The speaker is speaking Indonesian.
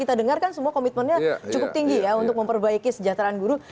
kita dengar kan semua komitmennya cukup tinggi ya untuk memperbaiki sejahteraan guru